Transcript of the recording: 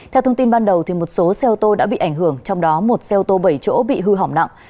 theo thông tin ban đầu một số xe ô tô đã bị ảnh hưởng trong đó một xe ô tô bảy chỗ bị hư hỏng nặng